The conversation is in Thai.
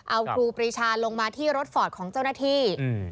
เอาครูปรีชาลงมาที่รถฟอร์ตของเจ้าหน้าที่